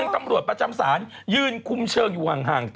ตำรวจเขาไม่กล้าเข้าใกล้